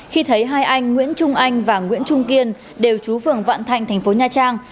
khi thấy hai anh nguyễn trung anh và nguyễn trung kiên đều chú phường vạn thành thành phố nha trang